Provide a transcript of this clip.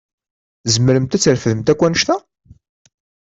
Tzemremt ad trefdemt akk annect-a?